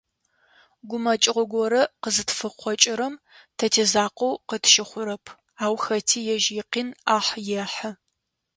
Гумэкӏыгъо горэ къызытфыкъокӏырэм, тэ тизакъоу къытщыхъурэп, ау хэти ежь икъин ӏахь ехьы.